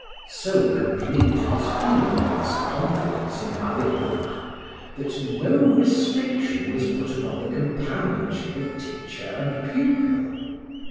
So complete was Fulbert's confidence in Abélard, that no restriction was put upon the companionship of teacher and pupil.